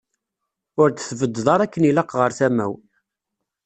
Ur d-tbeddeḍ ara akken ilaq ɣer tama-w.